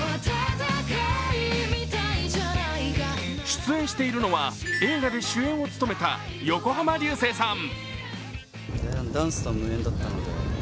出演しているのは映画で主演を務めた横浜流星さん。